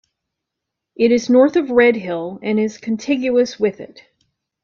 It is north of Redhill and is contiguous with it.